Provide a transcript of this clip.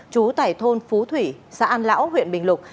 trú tại thôn phú thủy xã an lão huyện bình lục